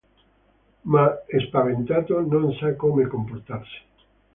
Ma, spaventato, non sa come comportarsi.